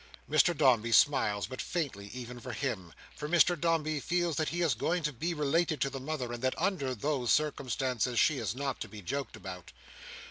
Mr Dombey smiles; but faintly, even for him; for Mr Dombey feels that he is going to be related to the mother, and that, under those circumstances, she is not to be joked about.